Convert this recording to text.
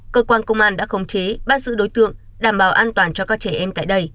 cơ quan công an đã khống chế bắt giữ đối tượng đảm bảo an toàn cho các trẻ em tại đây